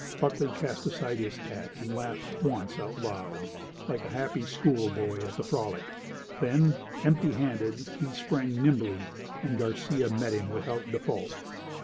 Buckley cast aside his hat, and laughed once aloud, like a happy school boy at a frolic. Then, empty handed, he sprang nimbly, and Garcia met him without default.